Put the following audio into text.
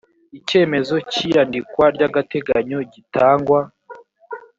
icyemezo cy iyandikwa ry agateganyo gitangwa